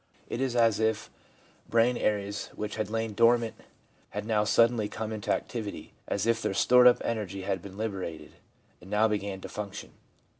It is as if brain areas which had lain dormant had now suddenly come into activity — as if their stored up energy had been liberated, and now began to function.